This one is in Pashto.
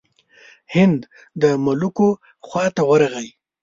هند د ملوکو خواته ورغی.